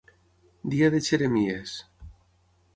Dia de xeremies.